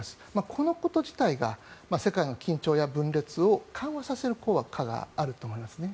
このこと自体が世界の緊張や分裂を緩和させる効果があると思います。